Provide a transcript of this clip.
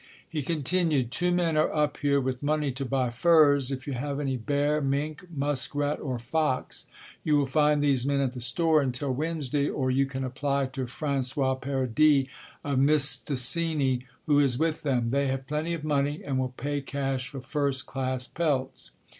He continued: "Two men are up here with money to buy furs. If you have any bear, mink, muskrat or fox you will find these men at the store until Wednesday, or you can apply to François Paradis of Mistassini who is with them. They have plenty of money and will pay cash for first class pelts."